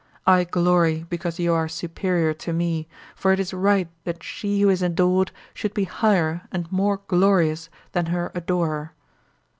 I glory because you are superior to me, for it is right that she who is adored should be higher and more glorious than her adorer!